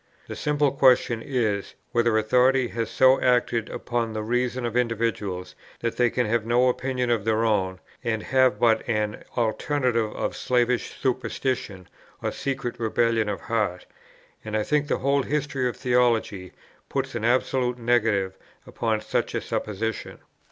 The simple question is, whether authority has so acted upon the reason of individuals, that they can have no opinion of their own, and have but an alternative of slavish superstition or secret rebellion of heart; and I think the whole history of theology puts an absolute negative upon such a supposition.